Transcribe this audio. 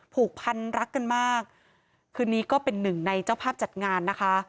ผูกพันรักกันมากคืนนี้ก็เป็นหนึ่งในเจ้าภาพจัดงานนะคะ